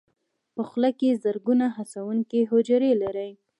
په خوله کې زرګونه حسونکي حجرې لري.